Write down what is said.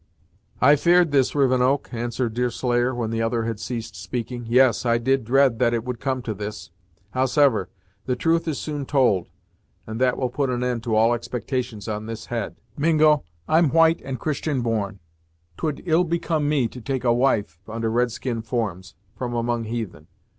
"I fear'd this, Rivenoak," answered Deerslayer, when the other had ceased speaking "yes, I did dread that it would come to this. Howsever, the truth is soon told, and that will put an end to all expectations on this head. Mingo, I'm white and Christian born; 't would ill become me to take a wife, under red skin forms, from among heathen.